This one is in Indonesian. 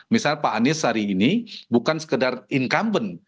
misalnya pak anies hari ini bukan sekedar incumbent